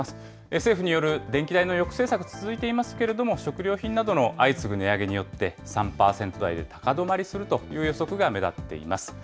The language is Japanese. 政府による電気代の抑制策、続いていますけれども、食料品などの相次ぐ値上げによって、３％台で高止まりするという予測が目立っています。